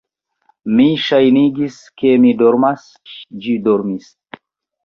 Mi ŝajnigis, ke mi dormas; ĝi dormis.